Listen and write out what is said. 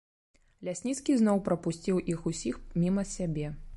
Лясніцкі зноў прапусціў іх усіх міма сябе.